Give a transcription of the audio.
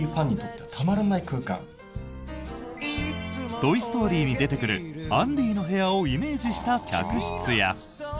「トイ・ストーリー」に出てくるアンディの部屋をイメージした客室や。